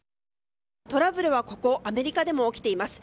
トラブルはここアメリカでも起きています。